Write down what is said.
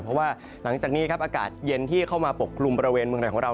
เพราะว่าหลังจากนี้ครับอากาศเย็นที่เข้ามาปกกลุ่มบริเวณเมืองไหนของเรา